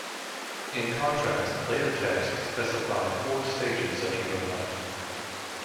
In contrast, later texts specify four stages of human life.